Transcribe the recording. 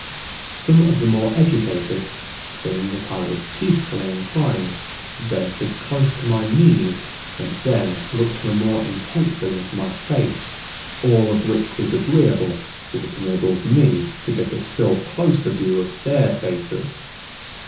Some of the more educated, seeing that I was peacefully inclined, ventured close to my knees and then looked the more intently into my face, all of which was agreeable, as it enabled me to get a still closer view of their faces.